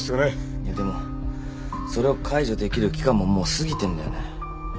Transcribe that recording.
いやでもそれを解除できる期間ももう過ぎてんだよね。